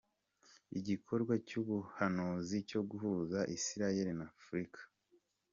Igikorwa cy’ubuhanuzi cyo guhuza Isirayeli na Afrika.